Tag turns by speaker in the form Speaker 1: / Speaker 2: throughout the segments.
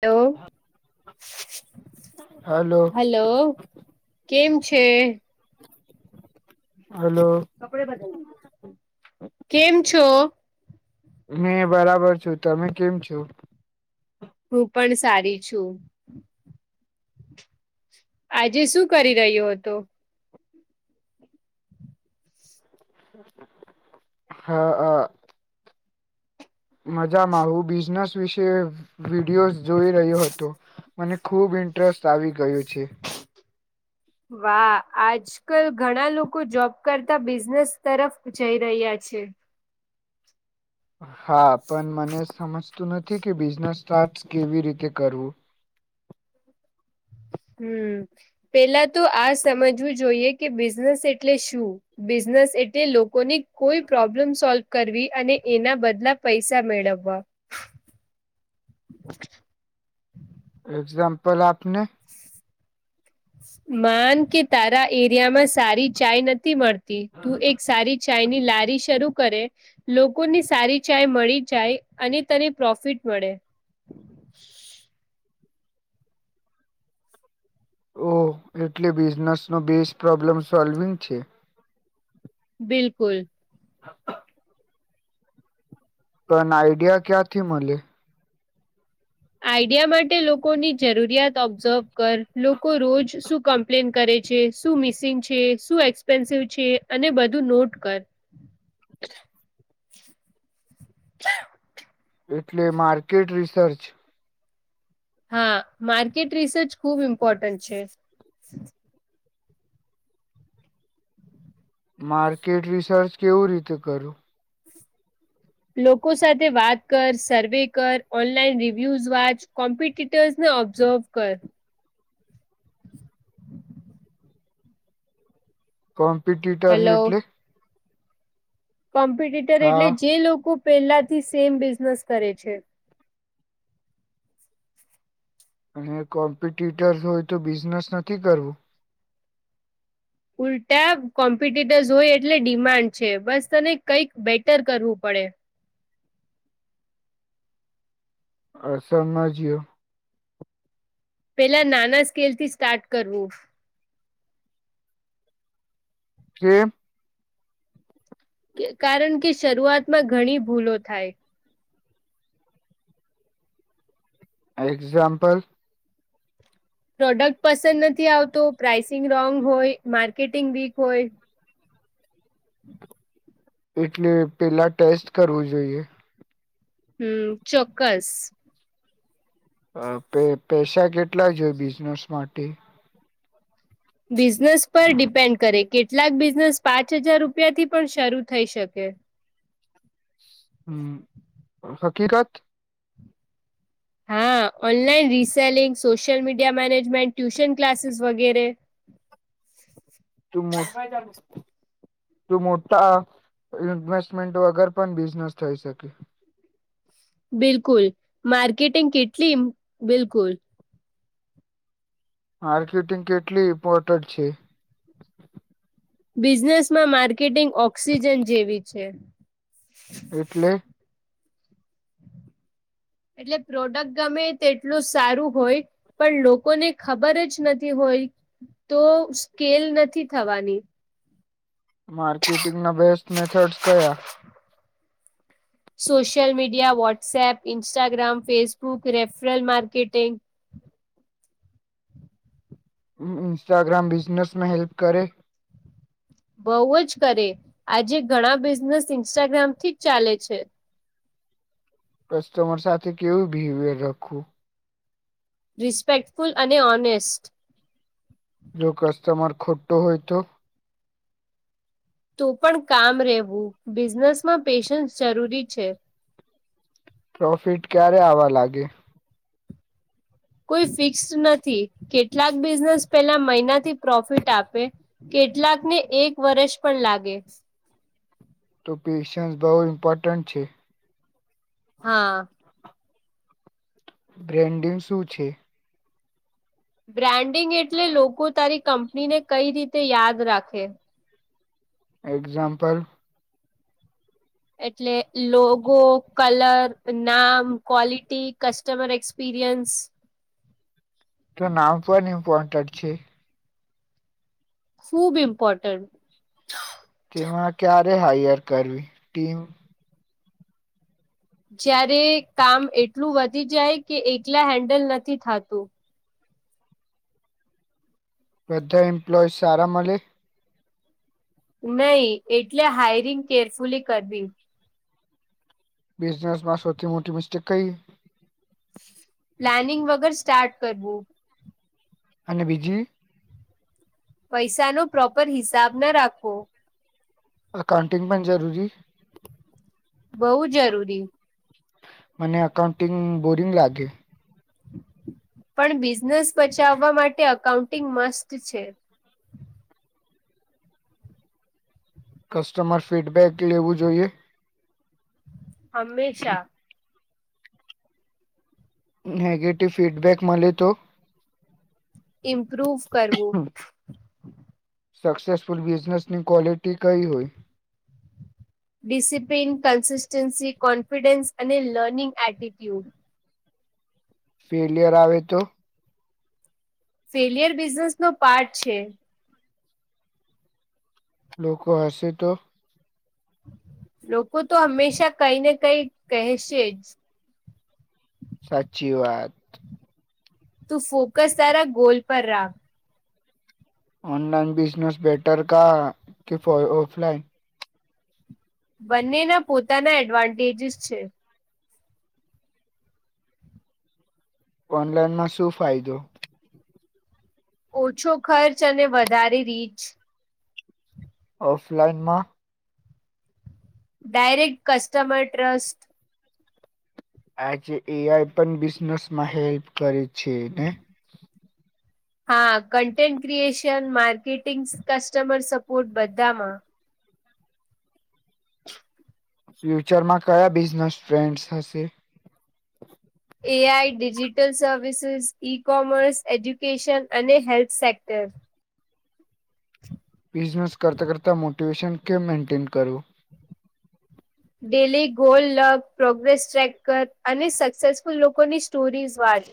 Speaker 1: Hello.
Speaker 2: Hello
Speaker 1: hello કેમ છે.
Speaker 2: Hello.
Speaker 1: આપણ બદ કેમ છો.
Speaker 2: મે બરાબર છું તમે કેમ છો.
Speaker 1: હું પણ સારી છું. આજે શું કરી રહ્યો હતો.
Speaker 2: હા હ. મજામાં હું બિઝનેસ વિશે વિડીયોઝ જોઈ રહ્યો હતો. મને ખુબ ઇન્ટરેસ્ટ આવી ગયું છે.
Speaker 1: વાહ આજ આજ કલ ઘણા લોકો જોબ કરતા બિઝનેસ તરફ જઈ રહ્યા છે.
Speaker 2: હા પણ મને સમજતું નથી કે બિઝનેસ સ્ટાર્ટ કેવી રીતે કરવું.
Speaker 1: હમ પેલાતો આ સમજવું જોઈએ કે બિઝનેસ એટલે શું. બિઝનેસ એટલે લોકોને કોઈ પ્રોબ્લેમ સોલ્વ કરવી અને એના બદલા. પૈસા મેળવવા.
Speaker 2: એક્ઝામ્પલ આપને.
Speaker 1: માન કે તારા એરિયામાં સારી ચાય નથી મળતી તું એક સારી ચાઈની લારી શરૂ કરે લોકોની સારી ચાય મળી જાય અને તને પ્રોફિટ મળે.
Speaker 2: ઓ એટલે બિઝનેસ નો બેઝ પ્રોબ્લેમ સોલ્વિંગ છે.
Speaker 1: બિલકુલ
Speaker 2: હા. [inaudible] પણ આઈડિયા ક્યાથી મળલી.
Speaker 1: આઈડિયા માટે લોકોની જરૂરિયાત ઓબ્ઝર્વ કર લોકો રોજ શું ક. પ્લેન કરે છે શું મિસિંગ છે શું એક્સપેન્સિવ છે અને બધું નોટ કર.
Speaker 2: એટલે માર્કેટ રિસર્ચ.
Speaker 1: હા માર્કેટ રિસર્ચ ખુબ ઇમ્પોર્ટન્ટ છે.
Speaker 2: માર્કેટ રિસર્ચ કેવું રીતે કરું.
Speaker 1: લોકો સાથે વાત કર સર્વે કર ઓનલાઈન રિવ્યુઝ વાચ કોમ્પ ર્ ને ઓબ્ઝર્વ કર.
Speaker 2: કોમ્પિટટર્સ
Speaker 1: હલો
Speaker 2: એટલે.
Speaker 1: કોમ્પિટેટર એટલે
Speaker 2: હા
Speaker 1: જે લોકો પેલા થી સેમ બિઝનેસ કરે છે.
Speaker 2: અને કોમ્પિટટર હોય તો બિઝનેસ નથી કરવું.
Speaker 1: ઉલ્ટા કોમ્પિટેટર્ હોય એટલે ડિમાન્ડ છે. બસ તને કઈક બેટર કરવું પડે.
Speaker 2: અ સર ના જીઓ.
Speaker 1: પેલા નાના સ્કેલ થી સ્ટાર્ટ કરવું.
Speaker 2: હમ [unintelligible]
Speaker 1: કારણ કે શરૂઆતમાં ઘણી ભૂલો થાય
Speaker 2: એક્ઝામ્પલ.
Speaker 1: પ્રોડક્ટ પસંદ નથી આવતો પ્રાઇસિંગ રોંગ હોય માર્કેટિંગ વીક હોય. હમ [inaudible]
Speaker 2: એટલે પેલા ટેસ્ટ કરવું જોઈએ.
Speaker 1: હમ ચોક્કસ.
Speaker 2: અ પે પૈસા કેટલા જોય બિઝનેસ માટે.
Speaker 1: બિઝનેસ પર ડિપેન્ડ કરે કેટલાક બિઝનેસ પાંચ હજાર રૂપિયા થી પણ શરૂ થઈ શકે.
Speaker 2: હમ હકીરત [inaudible]
Speaker 1: હા online reselling social media management tuition classes વગેરે.
Speaker 2: તું મોટ [unintelligible] મોટા ઇન્વેસ્ટમેન્ટ વગર પણ બિઝનેસ થઈ શકે.
Speaker 1: બિલકુલ માર્કેટિંગ કેટલી બિલકુલ.
Speaker 2: માર્કેટિંગ કેટલી ઇમ્પોર્ટન્ટ છે.
Speaker 1: બિઝનેસ માં માર્કેટિંગ ઓક્સિજન જેવી છે.
Speaker 2: ઇટલી. [inaudible]
Speaker 1: એટલે પ્રોડક્ટ ગમે તેટલું સારું હોય. પણ લોકોને ખબર જ નથી હોય તો સ્કેલ નથી થવાની.
Speaker 2: માર્કેટિંગના બેસ્ટ મેથડસ કયા.
Speaker 1: Social media WhatsApp Instagram Facebook referral marketing.
Speaker 2: Instagram બિઝનેસમાં હેલ્પ કરે.
Speaker 1: બહુ જ કરે આજે ઘણા બિઝનેસ ઇન્સ્ટાગ્રામ થી જ ચાલે છે.
Speaker 2: કસ્ટમર સાથે કેવું બિહેવિયર રાખવું.
Speaker 1: રિસ્પેક્ટફુલ અને ઓનેસ્ટ.
Speaker 2: જો કસ્ટમર ખોટો હોયતો?
Speaker 1: તો પણ કામ રહેવું બિઝનેસ માં પેશન્સ જરૂરી છે.
Speaker 2: પ્રોફિટ ક્યારે આવવા લાગે?
Speaker 1: કોઈ ફિક્સ નથી કેટલાક બિઝનેસ પેલા મહિનાથી પ્રોફિટ આપે. કેટલાક ને એક વર્ષ પણ લાગે.
Speaker 2: તો પેેશન્સ બહુ મપોટન્ટન્ટ છે.
Speaker 1: હા
Speaker 2: બ્રેન્ડિંગ શું છે?
Speaker 1: બ્રાન્ડિંગ એટલે લોકો તારી કંપનીને કઈ રીતે યાદ રાખે.
Speaker 2: એક્ઝામ્પલ!
Speaker 1: એટલે લોગો, કલર, નામ, ક્વોલિટી, કસ્ટમર એક્સપિરિયન્સ
Speaker 2: તો નામ પણ ઇમ્પોર્ટન્ટ છે!
Speaker 1: ખૂબ ઇમ્પોર્ટન્ટ.
Speaker 2: તેમાં ક્યારે હાયર કરવી ટીમ?
Speaker 1: જયારે કામ એટલું વધી જાય કે એકલા હેન્ડલ નથી થતું.
Speaker 2: બધા એમ્પ્લોયઝ સારા મળે!
Speaker 1: નઈ એટલે હાયરિંગ કેરફુલી કરવી.
Speaker 2: બિઝનેસ માં સૌથી મોટી મિસ્ટેક કઈ?
Speaker 1: પ્લાનિંગ વગર સ્ટાર્ટ કરવું.
Speaker 2: અને બીજી?
Speaker 1: પૈસા નો પ્રોપર હિસાબ ના રાખવો.
Speaker 2: અકાઉન્ટિંગ પણ જરૂરી!
Speaker 1: બઉુ જરૂરી.
Speaker 2: મને અકાઉન્ટિંગ બોરિંગ લાગે.
Speaker 1: પણ બિઝનેસ બચાવવા માટે અકાઉન્ટિંગ મસ્ત છે.
Speaker 2: કસ્ટમર ફીડબેક લેવું જોઈએ?
Speaker 1: હંમેશા.
Speaker 2: નેગેટિવ ફીડબેક મળે તો!
Speaker 1: ઇમ્પ્રુવ કરવું.
Speaker 2: સક્સેસફુલ બિઝનેસ ની ક્વોલિટી કઈ હોય?
Speaker 1: ડિસિપ્લીિન, કન્સિસ્ટન્સી, કોન્ફિડન્સ અને લર્નિંગ એટીટ્યુડ.
Speaker 2: ફેલિયર આવે તો!
Speaker 1: ફેલિયર બિઝનેસ નો પાર્ટ છે.
Speaker 2: લોકો હશે તો!
Speaker 1: લોકો તો હંમેશા કઈ ને કઈ કહેશે જ.
Speaker 2: સાચી વાત.
Speaker 1: તું ફોકસ તારા ગોલ પર રાખ.
Speaker 2: ઓનલાઇન બિઝનેસ બેટર કાં કે ઓફલાઇન?
Speaker 1: બંનેના પોતાના એડવાન્ટેજસ છે.
Speaker 2: ઓનલાઈનમાં શું ફાયદો?
Speaker 1: ઓછો ખર્ચ અને વધારે રીચ.
Speaker 2: ઓફલાઇનમાં.
Speaker 1: Direct customer trust.
Speaker 2: આજે એ આઈ પણ બિઝનેસ માં હેલ્પ કરે છે ને!
Speaker 1: હા content creation, marketing customer, support બધામાં.
Speaker 2: ફ્યુચર માં કયા બિઝનેસ ટ્રેન્ડસ હશે
Speaker 1: A I digital services e commerce education અને હેલ્થ સેક્ટર [inaudible]
Speaker 2: બિઝનેસ કરતાં કરતાં મોટિવેશન કેમ મેન્ટેન કરવું?
Speaker 1: Daily goal, luck, progress track કર, અને સક્સેસફુલ લોકોની સ્ટોરીઝ વાંચ.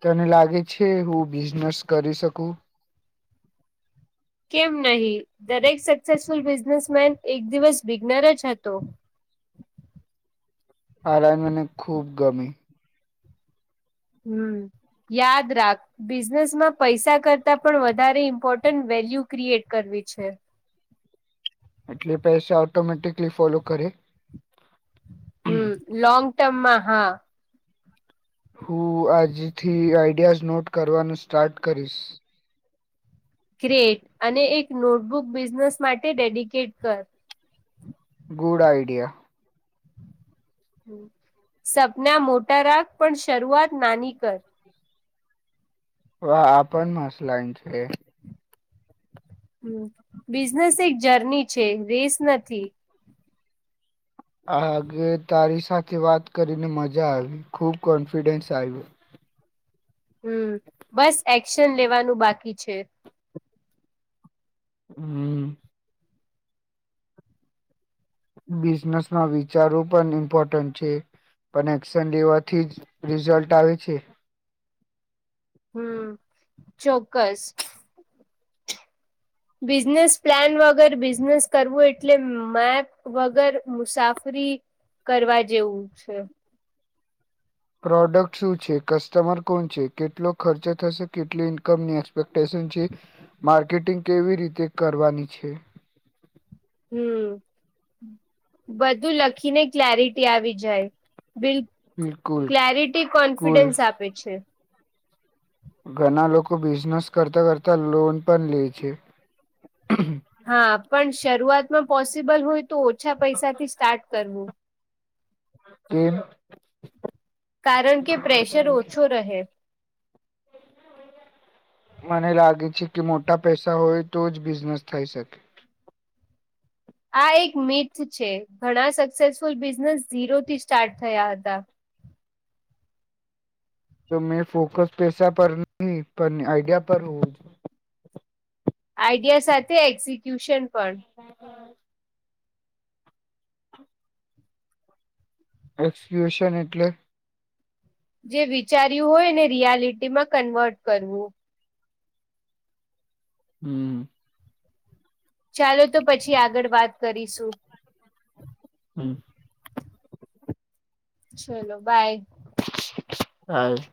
Speaker 2: તને લાગે છે હું બિઝનેસ કરી શકું?
Speaker 1: કેમ નહીિ દરેક સક્સેસફુલ બિઝનેસ મેન એક દિવસ બિગ્નર જ હતો
Speaker 2: આરાજ મને ખુબ ગમી
Speaker 1: હમ યાદ રા બિઝનેસમાં પૈસા કરતાં પણ વધારે ઇમ્પોર્ટન્ટ વેલ્યુ ક્રિએટ કરવી છે
Speaker 2: એટલે પૈસા ઓટોમેટિકલી ફોલો કરે
Speaker 1: હમ લાંગ ટર્મમાં હા
Speaker 2: હું આજથી આઈડિયાઝ નોટ કરવાનું સ્ટાર્ટ કરીશ
Speaker 1: ક્રએટ અને એક નોટબુક બિઝનેસ માટે ડેડિકેટ કર
Speaker 2: ગુડ આઈડિયા
Speaker 1: સપના મોટા રાખ પણ શરૂઆત નાની કર
Speaker 2: વા આપ પણ મસલાઇ છે
Speaker 1: હ બિઝનેસ એક જર્ની છે રેસ નથી
Speaker 2: આગે તારી સાથે વાત કરીને મજા આવી ખુબ કોન્ફિડન્સ આવ્યો
Speaker 1: હમ બસ એક્શન લેવાનું બાકી છે
Speaker 2: હમ બિઝનેસ ના વિચારો પણ ઇમ્પોર્ટન્ટ છે પણ એક્શન લેવાથી જ રિઝલ્ટ આવે છે
Speaker 1: હમ ચોક્કસ બિઝનેસ પ્લાન વગર બિઝનેસ કરવું એટલે મે વગર મુસાફરી કરવા જેવું છે
Speaker 2: પ્રોડક્ટ શું છે કસ્ટમર કોણ છે કેટલો ખર્ચો થશે કેટલી ઇન્કમની એક્સપેક્ટેશન છે માર્કેટિંગ કેવી રીતે કરવાની છે
Speaker 1: હમ બધું લખીને ક્લેરિટી આવી જાય બિલ
Speaker 2: બિલકુલ
Speaker 1: ક્લરિટી
Speaker 2: કુલ
Speaker 1: કોન્ફિડન્સ આપે છે
Speaker 2: ઘણા લોકો બિઝનેસ કરતા કરતા લોન પણ લે છે
Speaker 1: હા પણ શરૂઆતમાં પોસિબલ હોય તો ઓછા પૈસાથી સ્ટાર્ટ કરવું
Speaker 2: કે
Speaker 1: કારણ કે પ્રેશર ઓછો રહે
Speaker 2: મને લાગે છે કે મોટા પૈસા હોય તો જ બિઝનેસ થઈ શકે
Speaker 1: આ એક મીથ છે ઘણા સક્સેસફુલ બિઝનેસ ઝીરો થી સ્ટાર્ટ થયા હતા
Speaker 2: તો મેં ફોકસ પેશા પર નહી આઈડિયા પર હોવ
Speaker 1: આઈડિયા સાથે એક્ઝિક્યુશન પણ
Speaker 2: હા હા હ એક્સક્યુશન એટલે
Speaker 1: જે વિચાર્યું હોય ને રિયાલિટી માં કન્વર્ટ કરવું
Speaker 2: હમ
Speaker 1: ચાલો તો પછી આગળ વાત કરીશું
Speaker 2: હમ
Speaker 1: ચલો બાય
Speaker 2: હ